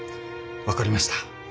分かりました。